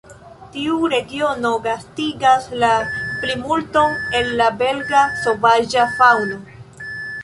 Tiu regiono gastigas la plimulton el la belga sovaĝa faŭno.